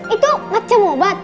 itu macam obat